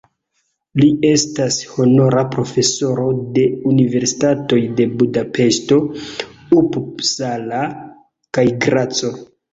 Li estas honora profesoro de universitatoj de Budapeŝto, Uppsala kaj Graco.